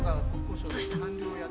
どうしたの？